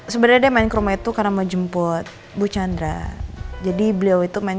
sebenarnya main kerumah itu karena mau jemput bu chandra jadi beliau itu main